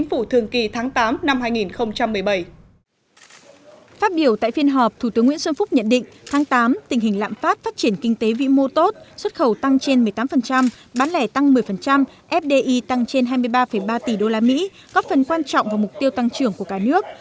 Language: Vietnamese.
phát biểu tại phiên họp thủ tướng nguyễn xuân phúc nhận định tháng tám tình hình lạm phát phát triển kinh tế vĩ mô tốt xuất khẩu tăng trên một mươi tám bán lẻ tăng một mươi fdi tăng trên hai mươi ba ba tỷ usd góp phần quan trọng vào mục tiêu tăng trưởng của cả nước